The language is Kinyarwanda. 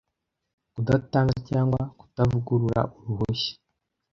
Kudatanga cyangwa kutavugurura uruhushya